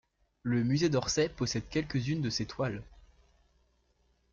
Le Musée d'Orsay possède quelques-unes de ses toiles.